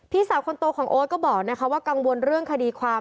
พี่สาวคนโตของโอ๊ตก็บอกว่ากังวลเรื่องคดีความ